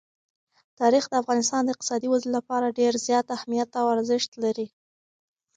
تاریخ د افغانستان د اقتصادي ودې لپاره ډېر زیات اهمیت او ارزښت لري.